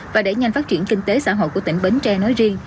và để nhanh phát triển kinh tế xã hội của tỉnh bến tre nói riêng